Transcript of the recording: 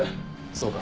そうか。